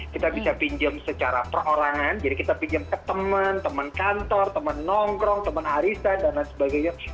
kita bisa pinjam secara perorangan jadi kita pinjam ke teman teman kantor teman nongkrong teman arisan dana sebagainya